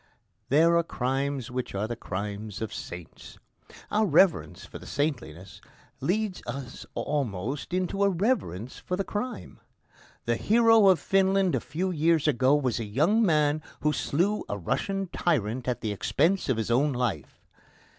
There are crimes which are the crimes of saints. Our reverence for the saintliness leads us almost into a reverence for the crime. The hero of Finland a few years ago was a young man who slew a Russian tyrant at the expense of his own life.